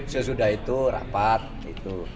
sesudah itu rapat